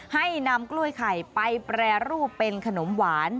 ให้นำกล้วยไข่ไปแปรรูปเป็นขนมหวาน